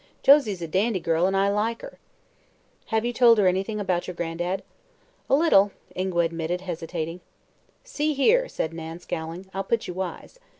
"Josie's a dandy girl, an' I like her." "Have you told her anything about your gran'dad?" "A little," Ingua admitted, hesitating. "See here," said Nan, scowling, "I'll put you wise.